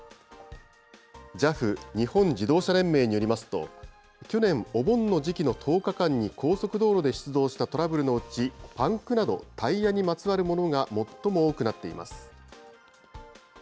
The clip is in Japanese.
ＪＡＦ・日本自動車連盟によりますと、去年、お盆の時期の１０日間に高速道路で出動したトラブルのうち、パンクなどタイヤにまつわるものが最も多くなっています。